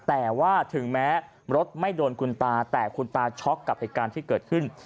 แต่ว่าถึงแม้รถไม่โดนคุณตาแต่คุณตาช็อกกับเหตุการณ์ที่เกิดขึ้น